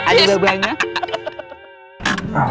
alhamdulillah udah sampai